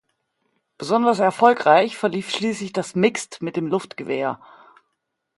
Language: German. Besonders erfolgreich verlief schließlich das Mixed mit dem Luftgewehr.